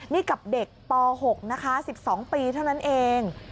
นี่กับเด็กป๖นะคะ๑๒ปีเท่านั้นเอง